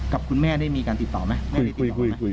กับคุณแม่ได้มีการติดต่อไหมไม่ได้ติดต่อไหมคุย